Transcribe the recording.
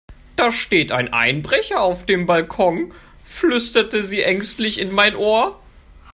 Da steht ein Einbrecher auf dem Balkon, flüsterte sie ängstlich in mein Ohr.